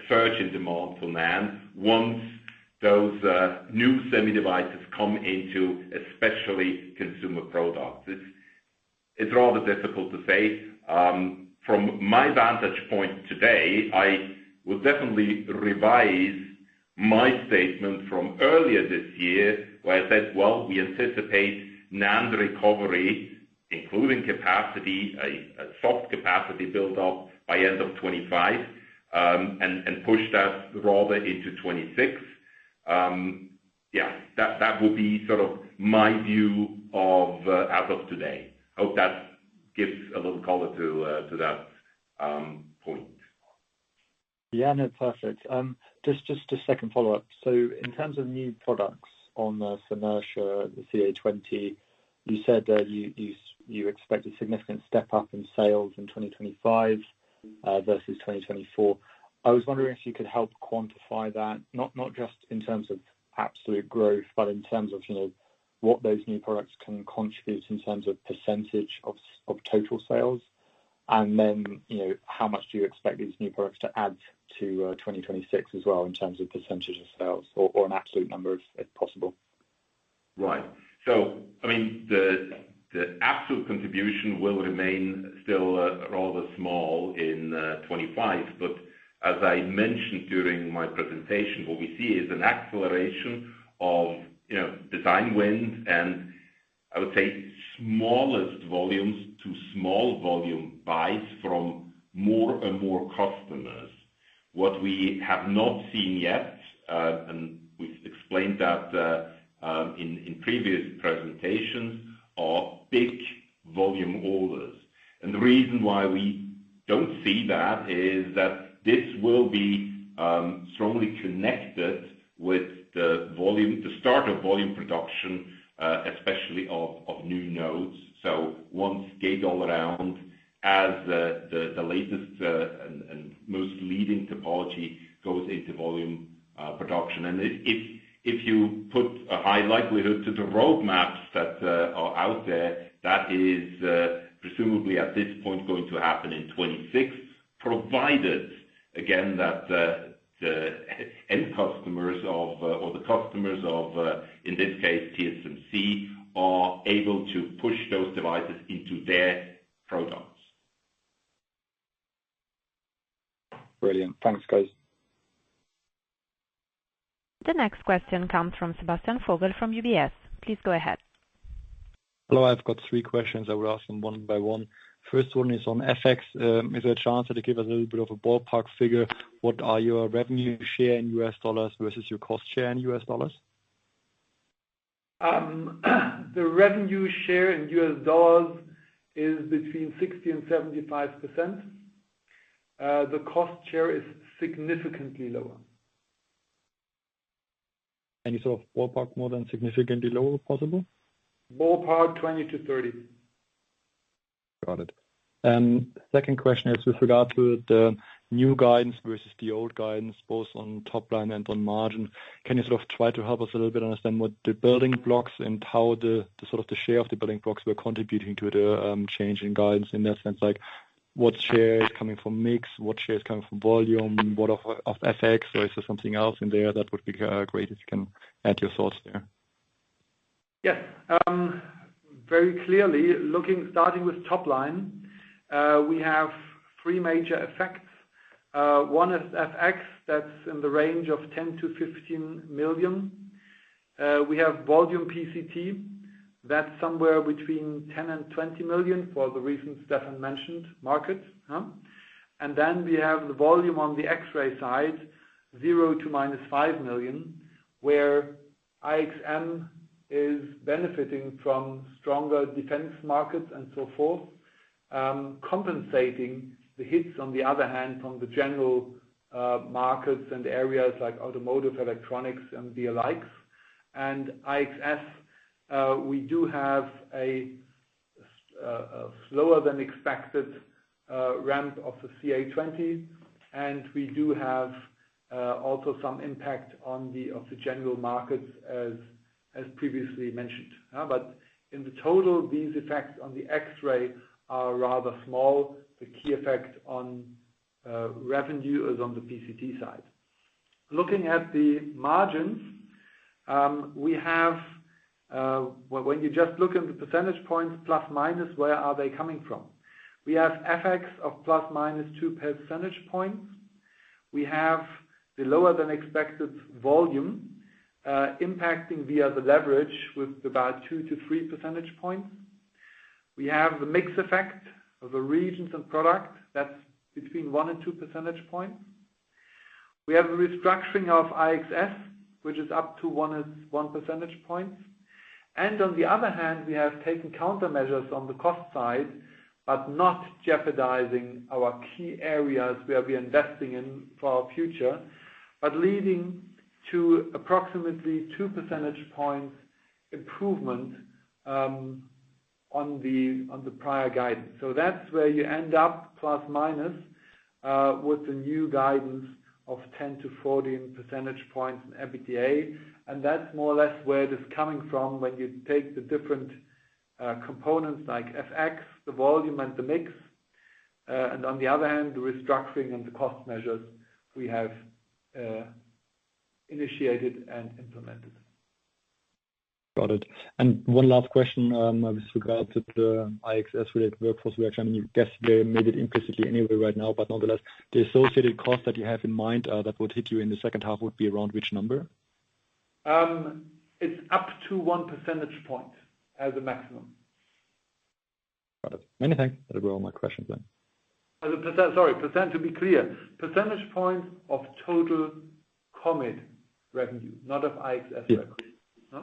surge in demand for NAND once those new semi-divisors come into, especially, consumer products. It's rather difficult to say. From my vantage point today, I would definitely revise my statement from earlier this year where I said we anticipate NAND recovery, including capacity, a soft capacity buildup by the end of 2025, and push that rather into 2026. That will be my view as of today. I hope that gives a little color to that point.
Yeah, no, perfect. Just a second follow-up. In terms of new products on the Synertia, the CA20, you said that you expect a significant step up in sales in 2025 versus 2024. I was wondering if you could help quantify that, not just in terms of absolute growth, but in terms of what those new products can contribute in terms of percentage of total sales. You know, how much do you expect these new products to add to 2026 as well in terms of percentage of sales or an absolute number, if possible?
Right. I mean, the absolute contribution will remain still rather small in 2025. As I mentioned during my presentation, what we see is an acceleration of design wins and, I would say, smallest volumes to small volume buys from more and more customers. What we have not seen yet, and we've explained that in previous presentations, are big volume orders. The reason why we don't see that is that this will be strongly connected with the start of volume production, especially of new nodes. Once gate all-around, as the latest and most leading topology, goes into volume production, if you put a high likelihood to the roadmaps that are out there, that is presumably at this point going to happen in 2026, provided, again, that the end customers or the customers of, in this case, TSMC, are able to push those devices into their products.
Brilliant. Thanks, guys.
The next question comes from Sebastian Vogel from UBS. Please go ahead.
Hello. I've got three questions. I will ask them one by one. First one is on FX. Is there a chance that you could give us a little bit of a ballpark figure? What are your revenue share in U.S. dollars versus your cost share in U.S. dollars?
The revenue share in U.S. dollars is between 60% and 75%. The cost share is significantly lower.
Could you ballpark more than significantly lower, possible?
Ballpark 20 to 30.
Got it. The second question is with regard to the new guidance versus the old guidance, both on top line and on margin. Can you sort of try to help us a little bit understand what the building blocks and how the sort of the share of the building blocks were contributing to the change in guidance in that sense? Like what share is coming from mix? What share is coming from volume? What of FX? Is there something else in there? That would be great if you can add your thoughts there.
Yeah. Very clearly, looking starting with top line, we have three major effects. One is FX. That's in the range of 10 million to 15 million. We have volume PCT. That's somewhere between 10 million and 20 million for the reasons Stephan mentioned, market. Then we have the volume on the X-ray side, zero to minus 5 million, where IXM is benefiting from stronger defense markets and so forth, compensating the hits, on the other hand, from the general markets and areas like automotive, electronics, and the alikes. IXS, we do have a lower than expected ramp of the CA20 X-ray system, and we do have also some impact on the general markets, as previously mentioned. In total, these effects on the X-ray are rather small. The key effect on revenue is on the PCT side. Looking at the margins, we have, when you just look in the percentage points, plus minus, where are they coming from? We have FX of ±2 percentage points. We have the lower-than-expected volume impacting via the leverage with about 2 to 3 percentage points. We have the mix effect of the regions and products. That's between 1 percentage point and 2 percentage points. We have a restructuring of IXS, which is up to 1 percentage point. On the other hand, we have taken countermeasures on the cost side, but not jeopardizing our key areas where we are investing in for our future, but leading to approximately 2 percentage points improvement on the prior guidance. That's where you end up, plus minus, with the new guidance of 10%-14% in EBITDA. That's more or less where it is coming from when you take the different components like FX, the volume, and the mix. On the other hand, the restructuring and the cost measures we have initiated and implemented.
Got it. One last question, obviously, about the IXS-related workforce. We are trying to guess. They made it implicitly anyway right now, but nonetheless, the associated cost that you have in mind that would hit you in the second half would be around which number?
It's up to 1% as a maximum.
Got it. Many thanks. That'll be all my questions then.
Sorry, % to be clear, percentage point of total Comet revenue, not of IXS revenue.
Yeah,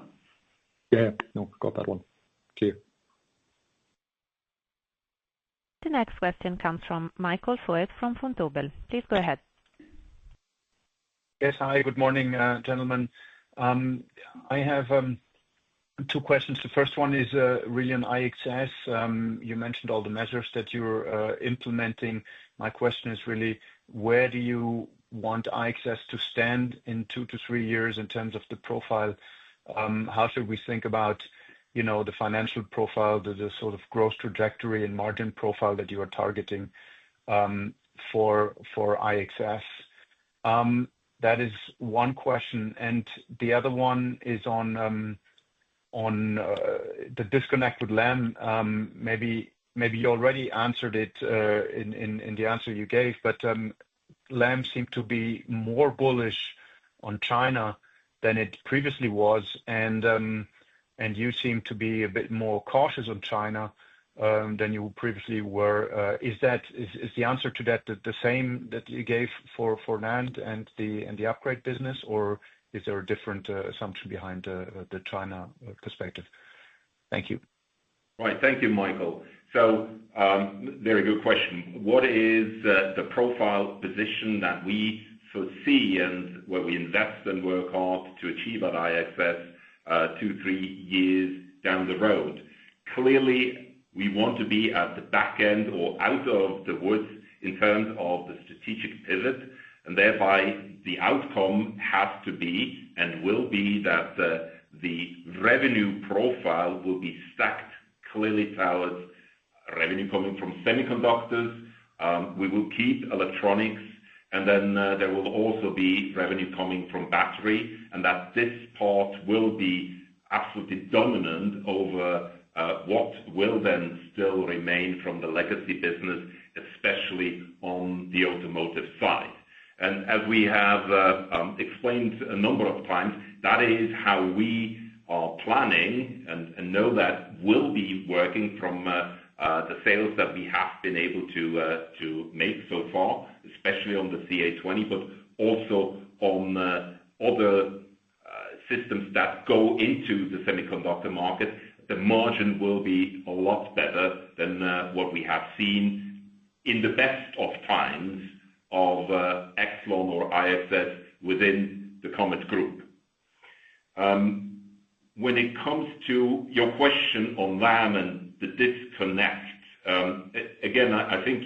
yeah. No, got that one. Clear.
The next question comes from Michael Foeth from Vontobel. Please go ahead.
Yes, hi. Good morning, gentlemen. I have two questions. The first one is really on IXS. You mentioned all the measures that you're implementing. My question is really, where do you want IXS to stand in two to three years in terms of the profile? How should we think about the financial profile, the sort of growth trajectory, and margin profile that you are targeting for IXS? That is one question. The other one is on the disconnect with Lam. Maybe you already answered it in the answer you gave, but Lam seemed to be more bullish on China than it previously was. You seem to be a bit more cautious on China than you previously were. Is the answer to that the same that you gave for NAND and the upgrade business, or is there a different assumption behind the China perspective? Thank you.
Right. Thank you, Michael. Very good question. What is the profile position that we foresee and where we invest and work hard to achieve at IXS two, three years down the road? Clearly, we want to be at the back end or out of the woods in terms of the strategic pivot. The outcome has to be and will be that the revenue profile will be stacked clearly towards revenue coming from semiconductors. We will keep electronics, and there will also be revenue coming from battery. This part will be absolutely dominant over what will then still remain from the legacy business, especially on the automotive side. As we have explained a number of times, that is how we are planning and know that we'll be working from the sales that we have been able to make so far, especially on the CA20 X-ray system, but also on other systems that go into the semiconductor market. The margin will be a lot better than what we have seen in the best of times of Yxlon or IXS within the Comet Group. When it comes to your question on Lam and the disconnect, I think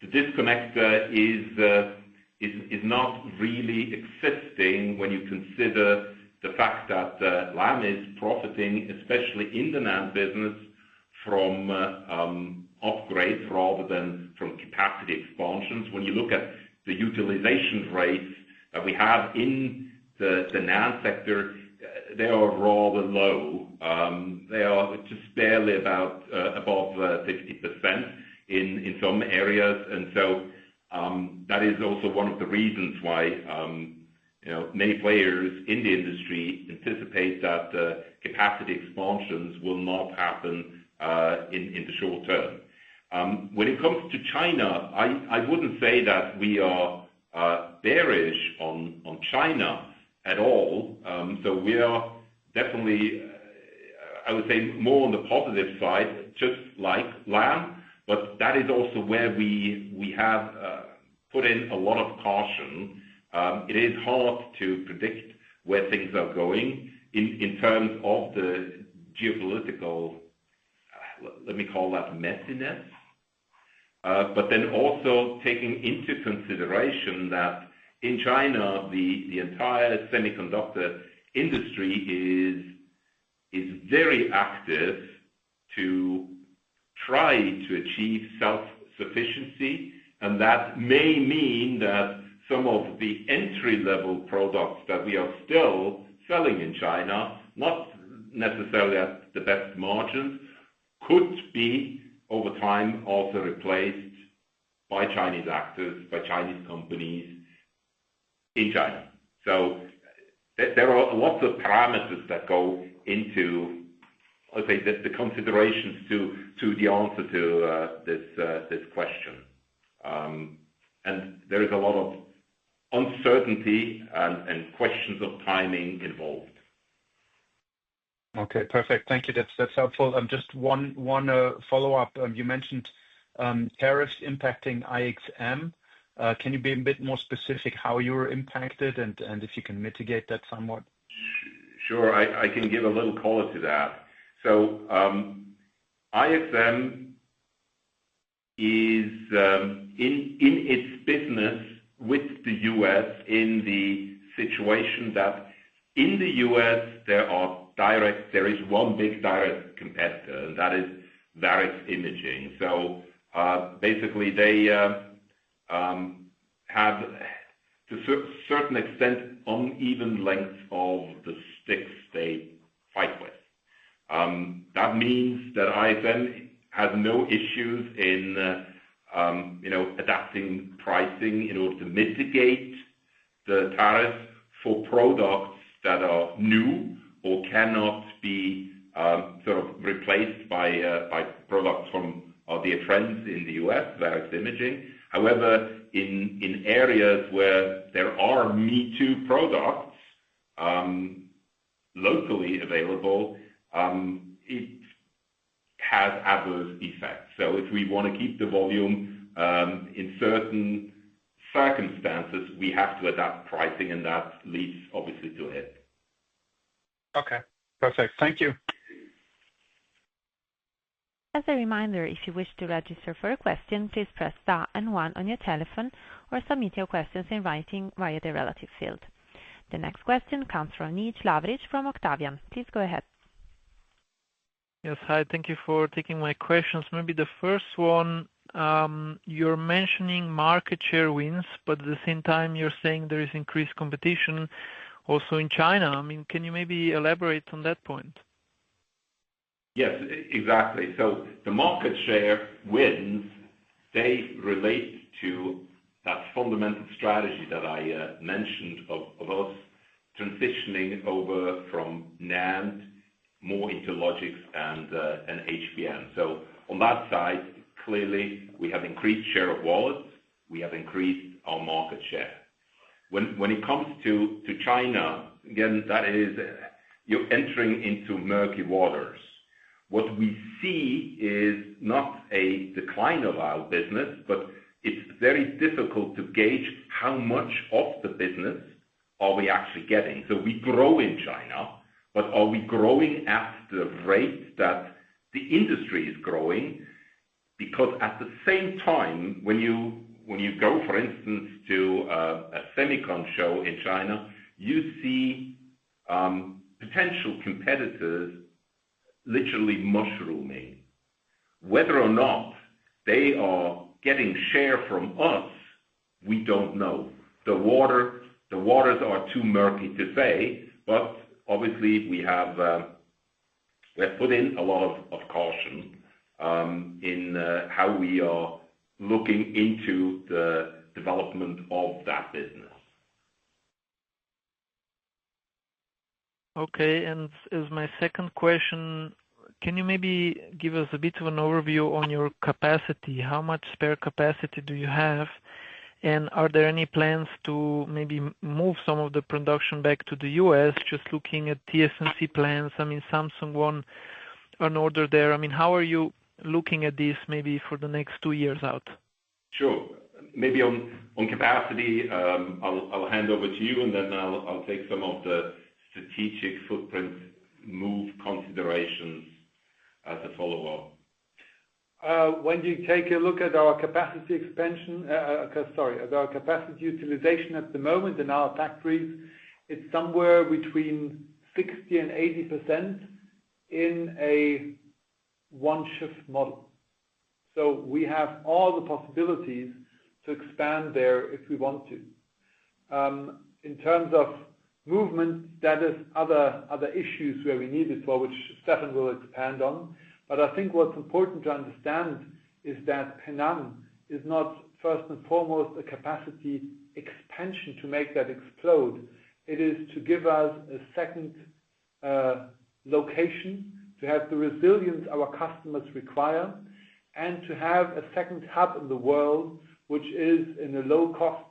the disconnect is not really existing when you consider the fact that Lam is profiting, especially in the NAND business, from upgrades rather than from capacity expansions. When you look at the utilization rates that we have in the NAND sector, they are rather low. They are just barely above 50% in some areas. That is also one of the reasons why many players in the industry anticipate that capacity expansions will not happen in the short term. When it comes to China, I wouldn't say that we are bearish on China at all. We are definitely, I would say, more on the positive side, chips like Lam, but that is also where we have put in a lot of caution. It is hard to predict where things are going in terms of the geopolitical, let me call that messiness. Also, taking into consideration that in China, the entire semiconductor industry is very active to try to achieve self-sufficiency. That may mean that some of the entry-level products that we are still selling in China, not necessarily at the best margin, could be over time also replaced by Chinese actors, by Chinese companies in China. There are lots of parameters that go into, I would say, the considerations to the answer to this question. There is a lot of uncertainty and questions of timing involved.
Okay, perfect. Thank you. That's helpful. Just one follow-up. You mentioned tariffs impacting IXM. Can you be a bit more specific how you're impacted, and if you can mitigate that somewhat?
Sure. I can give a little color to that. IXM is in its business with the U.S. in the situation that in the U.S., there is one big direct competitor, and that is Veris Imaging. Basically, they have, to a certain extent, uneven lengths of the sticks they fight with. That means that IXM has no issues in adapting pricing in order to mitigate the tariffs for products that are new or cannot be sort of replaced by products from our dear friends in the U.S., Veris Imaging. However, in areas where there are me-too products locally available, it has adverse effects. If we want to keep the volume in certain circumstances, we have to adapt pricing, and that leads obviously to it.
Okay, perfect. Thank you.
As a reminder, if you wish to register for a question, please press star and one on your telephone or submit your questions in writing via the relative field. The next question comes from [Nijj Navarich] from Octavian. Please go ahead. Yes, hi. Thank you for taking my questions. Maybe the first one, you're mentioning market share wins, but at the same time, you're saying there is increased competition also in China. I mean, can you maybe elaborate on that point?
Yes, exactly. The market share wins relate to that fundamental strategy that I mentioned of us transitioning over from NAND more into logic and HBM. On that side, clearly, we have increased share of wallets. We have increased our market share. When it comes to China, that is entering into murky waters. What we see is not a decline of our business, but it's very difficult to gauge how much of the business we are actually getting. We grow in China, but are we growing at the rate that the industry is growing? At the same time, when you go, for instance, to a semicon show in China, you see potential competitors literally mushrooming. Whether or not they are getting share from us, we don't know. The waters are too murky to say, but obviously, we have put in a lot of caution in how we are looking into the development of that business. Okay. As my second question, can you maybe give us a bit of an overview on your capacity? How much spare capacity do you have? Are there any plans to maybe move some of the production back to the U.S.? Just looking at TSMC plans. Samsung won an order there. How are you looking at this maybe for the next two years out? Sure. Maybe on capacity, I'll hand over to you, and then I'll take some of the strategic footprint move considerations as a follow-up.
When you take a look at our capacity utilization at the moment in our factories, it's somewhere between 60% and 80% in a one-shift model. We have all the possibilities to expand there if we want to. In terms of movement, that is other issues where we need it for, which Stephan will expand on. I think what's important to understand is that Penang is not first and foremost a capacity expansion to make that explode. It is to give us a second location, to have the resilience our customers require, and to have a second hub in the world, which is in a low-cost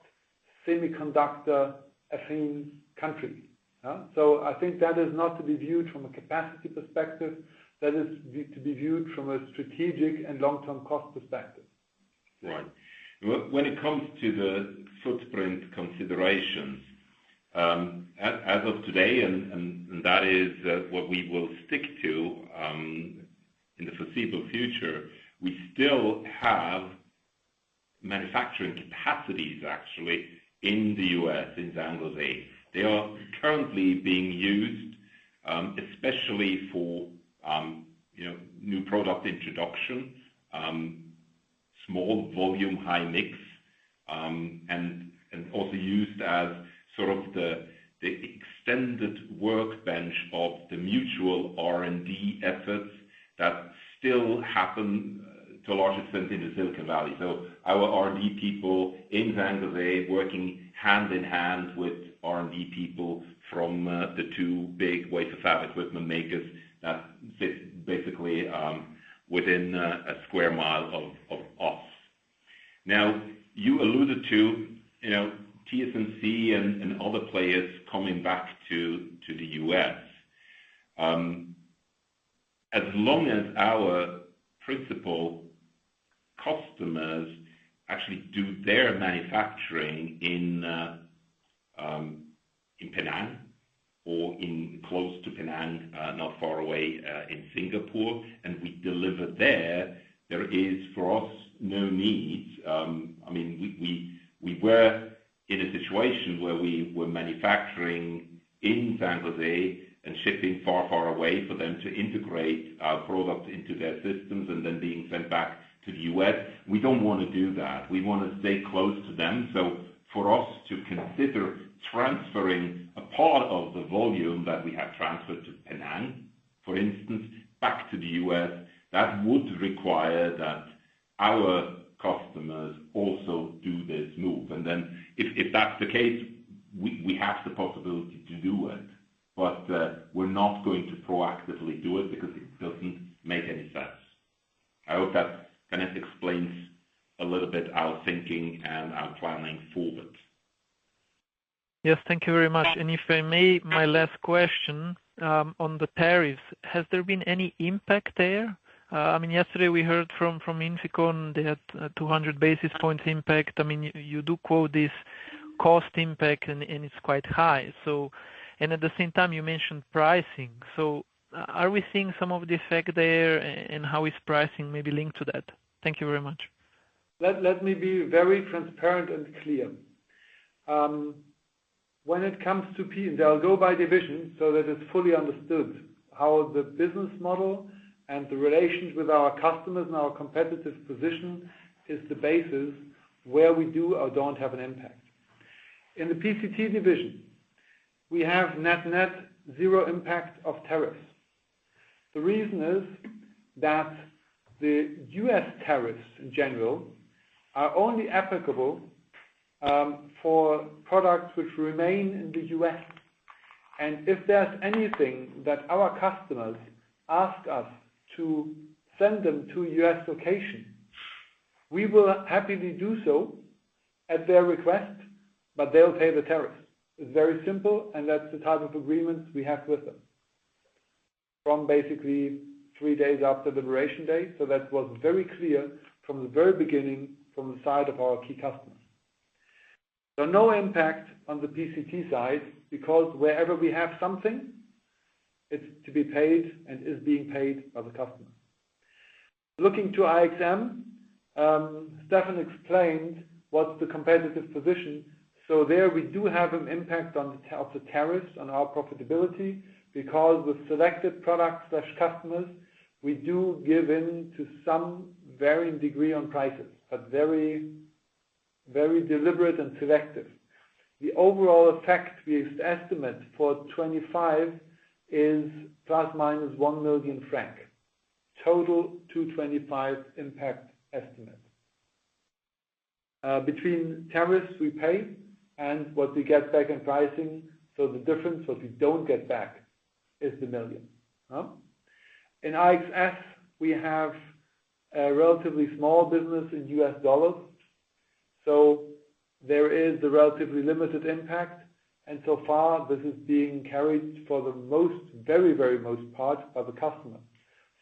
semiconductor-packing country. I think that is not to be viewed from a capacity perspective. That is to be viewed from a strategic and long-term cost perspective.
Right. When it comes to the footprint considerations, as of today, and that is what we will stick to in the foreseeable future, we still have manufacturing capacities, actually, in the U.S., in Zhangzhou. They are currently being used, especially for new product introduction, small volume high mix, and also used as sort of the extended workbench of the mutual R&D efforts that still happen to a large extent in the Silicon Valley. Our R&D people in Zhangzhou are working hand in hand with R&D people from the two big wafer fab equipment makers that sit basically within a square mile of us. You alluded to TSMC and other players coming back to the U.S. As long as our principal customers actually do their manufacturing in Penang or close to Penang, not far away in Singapore, and we deliver there, there is for us no need. We were in a situation where we were manufacturing in Zhangzhou and shipping far, far away for them to integrate our product into their systems and then being sent back to the U.S. We don't want to do that. We want to stay close to them. For us to consider transferring a part of the volume that we have transferred to Penang, for instance, back to the U.S., that would require that our customers also do this move. If that's the case, we have the possibility to do it. We're not going to proactively do it because it doesn't make any sense. I hope that kind of explains a little bit our thinking and our planning forward. Yes, thank you very much. If I may, my last question on the tariffs, has there been any impact there? Yesterday we heard from Inficon, they had 200 basis points impact. You do quote this cost impact, and it's quite high. At the same time, you mentioned pricing. Are we seeing some of the effect there, and how is pricing maybe linked to that? Thank you very much.
Let me be very transparent and clear. When it comes to P, and I'll go by division so that it's fully understood how the business model and the relations with our customers and our competitive position is the basis where we do or don't have an impact. In the PCT division, we have net-net zero impact of tariffs. The reason is that the U.S. tariffs in general are only applicable for products which remain in the U.S. If there's anything that our customers ask us to send them to a U.S. location, we will happily do so at their request, but they'll pay the tariff. It's very simple, and that's the type of agreements we have with them from basically three days after liberation date. That was very clear from the very beginning from the side of our key customers. No impact on the PCT side because wherever we have something, it's to be paid and is being paid by the customer. Looking to IXM, Stephan explained what's the competitive position. There we do have an impact on the tariffs on our profitability because with selected products/customers, we do give in to some varying degree on prices, but very, very deliberate and selective. The overall effect-based estimate for 2025 is ±CHF 1 million, total 2025 impact estimate. Between tariffs we pay and what we get back in pricing, the difference, what we don't get back, is the million. In IXS, we have a relatively small business in U.S. dollars. There is a relatively limited impact. So far, this is being carried for the most, very, very most part by the customer.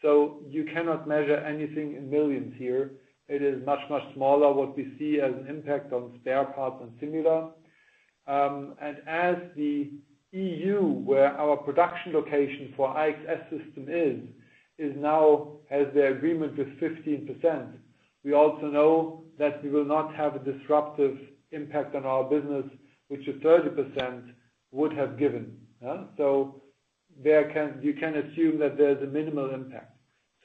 You cannot measure anything in millions here. It is much, much smaller what we see as an impact on spare parts or similar. As the EU, where our production location for IXS system is, now has their agreement with 15%, we also know that we will not have a disruptive impact on our business, which 30% would have given. You can assume that there's a minimal impact.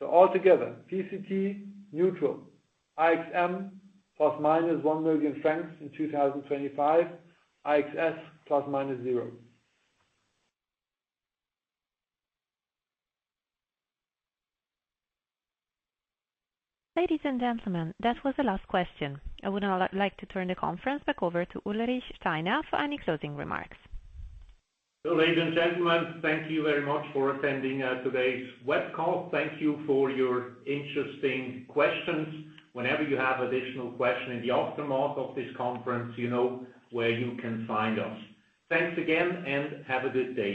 Altogether, PCT neutral, IXM ±1 million francs in 2025, IXS plus minus zero.
Ladies and gentlemen, that was the last question. I would now like to turn the conference back over to Ulrich Steiner for any closing remarks.
Ladies and gentlemen, thank you very much for attending today's web call. Thank you for your interesting questions. Whenever you have additional questions in the aftermath of this conference, you know where you can find us. Thanks again, and have a good day.